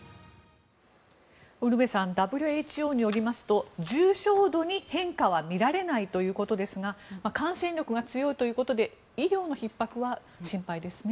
ウルヴェさんＷＨＯによりますと重症度に変化は見られないということですが感染力が強いということで医療のひっ迫は心配ですね。